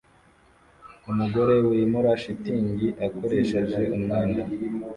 umugore wimura shitingi akoresheje umwenda